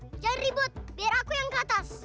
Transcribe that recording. jangan ribut biar aku yang ke atas